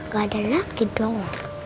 gak ada lagi dong